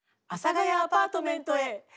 「阿佐ヶ谷アパートメント」へ。